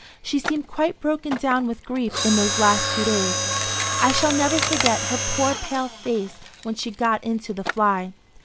She seemed quite broken down with grief in those two last days. I shall never forget her poor pale face when she got into the fly."